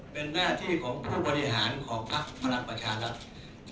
เป็นหน้าที่ของผู้บริหารของพักษมนตร์ประชานักษมนตร์